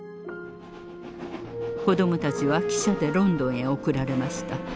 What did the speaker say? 子どもたちは汽車でロンドンへ送られました。